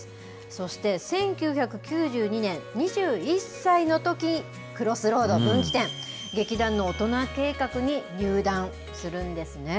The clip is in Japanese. そして、１９９２年、２１歳のとき、Ｃｒｏｓｓｒｏａｄ、分岐点、劇団の大人計画に入団するんですね。